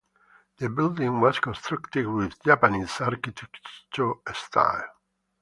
The building was constructed with Japanese architecture style.